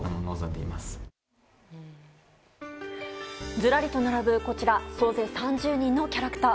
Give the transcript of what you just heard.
ずらりと並ぶ総勢３０人のキャラクター。